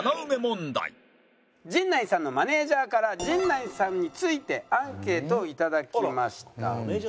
陣内さんのマネージャーから陣内さんについてアンケートを頂きました。